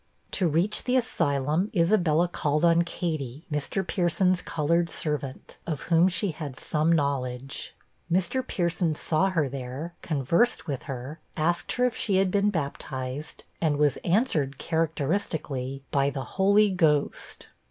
To reach the Asylum, Isabella called on Katy, Mr. Pierson's colored servant, of whom she had some knowledge. Mr. Pierson saw her there, conversed with her, asked her if she had been baptized, and was answered, characteristically, 'by the Holy Ghost.'